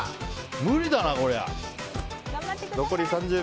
無理だな、こりゃ。